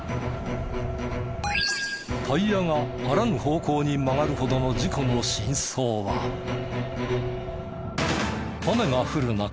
タイヤがあらぬ方向に曲がるほどの雨が降る中